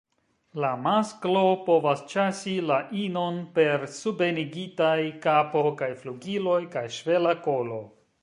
La masklo povas ĉasi la inon per subenigitaj kapo kaj flugiloj kaj ŝvela kolo.